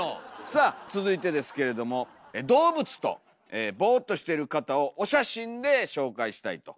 さあ続いてですけれども動物とボーっとしてる方をお写真で紹介したいと。